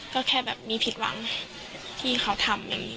ก็แค่มีผิดหวังที่เขาทำ